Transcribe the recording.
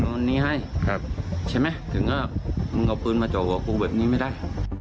ตอนนี้ให้ครับใช่ไหมถึงก็มึงเอาปืนมาจ่อกับกูแบบนี้ไม่ได้